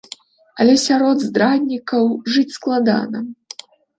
Але сярод здраднікаў жыць складана.